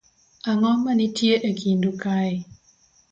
Ang'o ma nitie e kindu kae.